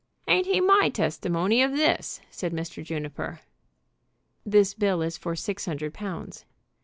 "Ain't he my testimony of this?" said Mr. Juniper. "This bill is for six hundred pounds."